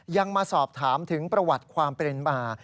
ยังมาสอบถามถึงประวัติความเป็นมา